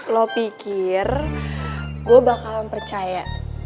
lo pikir gue bakalan percaya